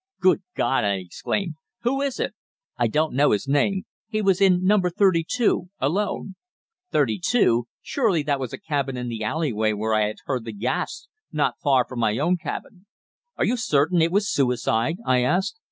"Good God!" I exclaimed. "Who is it?" "I don't know his name. He was in number thirty two alone." "Thirty two! Surely that was a cabin in the alleyway where I had heard the gasp, not far from my own cabin." "Are you certain it was suicide?" I asked.